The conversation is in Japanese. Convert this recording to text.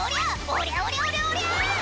「おりゃおりゃおりゃおりゃ！」